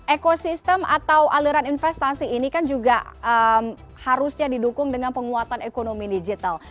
ekosistem atau aliran investasi ini kan juga harusnya didukung dengan penguatan ekonomi digital